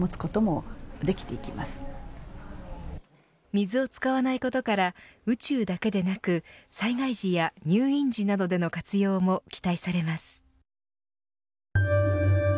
水を使わないことから宇宙だけでなく、災害時や入院時などでの活用も期待されます。